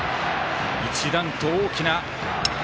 一段と大きな。